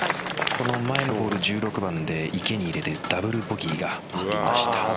前の１６番で池に入れてダブルボギーがありました。